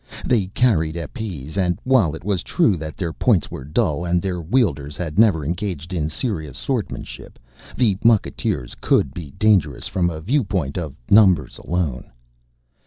They carried épées and, while it was true that their points were dull and their wielders had never engaged in serious swordsmanship, the mucketeers could be dangerous from a viewpoint of numbers alone.